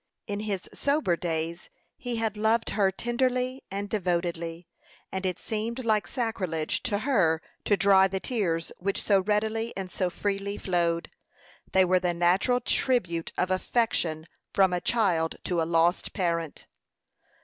In his sober days he had loved her tenderly and devotedly; and it seemed like sacrilege to her to dry the tears which so readily and so freely flowed. They were the natural tribute of affection from a child to a lost parent.